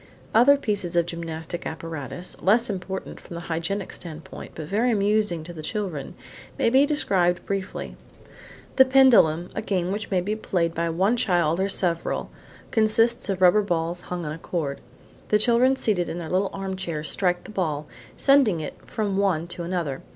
Other pieces of gymnastic apparatus, less important from the hygienic standpoint, but very amusing to the children, may be described briefly. "The Pendulum," a game which may be played by one child or by several, consists of rubber balls hung on a cord. The children seated in their little armchairs strike the ball, sending it from one to another.